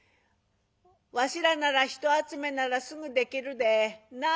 「わしらなら人集めならすぐできるで。なあ？」。